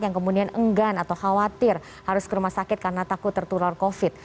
yang kemudian enggan atau khawatir harus ke rumah sakit karena takut tertular covid